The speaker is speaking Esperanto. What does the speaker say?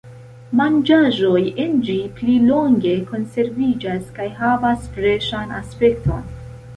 Manĝaĵoj en ĝi pli longe konserviĝas kaj havas freŝan aspekton.